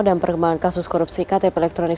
dan perkembangan kasus korupsi ktp elektronik